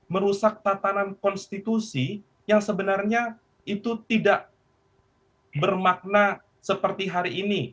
merusak tatanan konstitusi yang sebenarnya itu tidak bermakna seperti hari ini